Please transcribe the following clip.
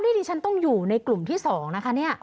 นี่ดิฉันต้องอยู่ในกลุ่มที่๒นะคะเนี่ย